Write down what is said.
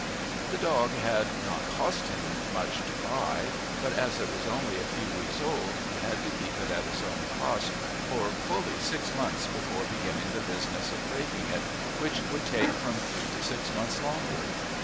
The dog had not cost him much to buy, but as it was only a few weeks old he had to keep it at his own cost for fully six months before beginning the business of breaking it, which would take from three to six months longer.